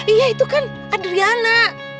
iya itu kan adriana